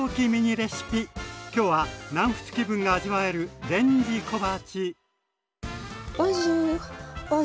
きょうは南仏気分が味わえるレンジ小鉢。